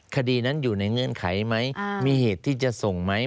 คดีนั้นอยู่ในเงื่อนไขไหมมีเหตุที่จะส่งไหม